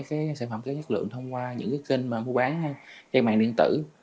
sản phẩm kết nhất lượng thông qua những kênh mua bán trên mạng điện tử